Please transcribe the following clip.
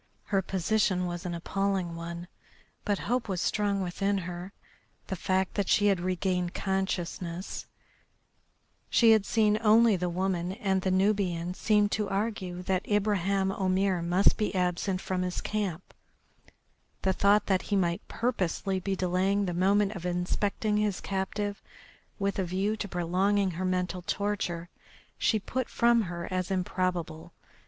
Her position was an appalling one, but hope was strong within her. The fact that since she had regained consciousness she had seen only the woman and the Nubian seemed to argue that Ibraheim Omair must be absent from his camp; the thought that he might purposely be delaying the moment of inspecting his captive with a view to prolonging her mental torture she put from her as improbable.